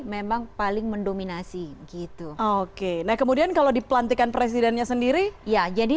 memang paling mendominasi gitu oke nah kemudian kalau di pelantikan presidennya sendiri ya jadi